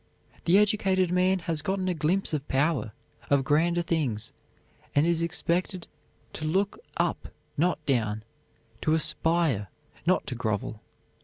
The educated man has gotten a glimpse of power, of grander things, and he is expected to look up, not down, to aspire, not to grovel.